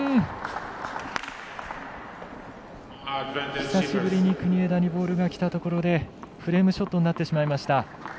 久しぶりに国枝にボールがきたところでフレームショットになってしまいました。